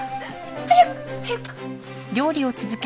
早く早く！